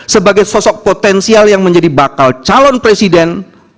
sebagai sosok potensial yang menjadi bakal calon presiden